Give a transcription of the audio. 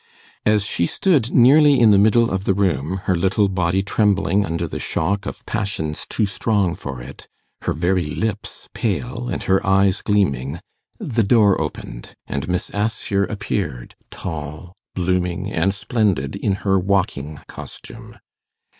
As she stood nearly in the middle of the room, her little body trembling under the shock of passions too strong for it, her very lips pale, and her eyes gleaming, the door opened, and Miss Assher appeared, tall, blooming, and splendid, in her walking costume.